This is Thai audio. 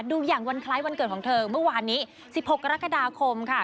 ดูอย่างวันคล้ายวันเกิดของเธอเมื่อวานนี้๑๖กรกฎาคมค่ะ